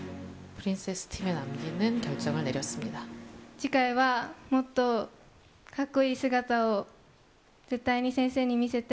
次回はもっとかっこいい姿を絶対に先生に見せて、